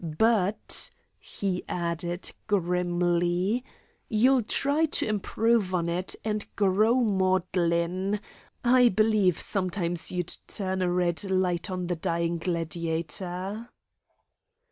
But," he added, grimly, "you'll try to improve on it, and grow maudlin. I believe sometimes you'd turn a red light on the dying gladiator."